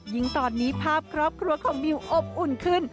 ยิ่งตอนนี้ภาพครอบครัวของมิวอบอุ่นขึ้น